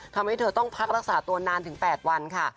ทำให้เธอต้องพักรักษาตัวนานถึง๘วันค่ะ